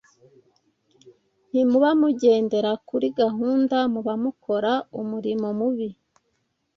ntimuba mugendera kuri gahunda, muba mukora umurimo mubi.